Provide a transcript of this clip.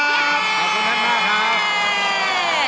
ขอบคุณท่านมากครับ